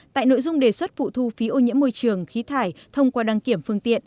tại nội dung đề xuất phụ thu phí ô nhiễm môi trường khí thải thông qua đăng kiểm phương tiện